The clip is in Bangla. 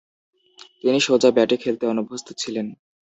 তিনি সোজা ব্যাটে খেলতে অনভ্যস্ত ছিলেন।